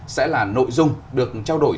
sẽ là nội dung được trao đổi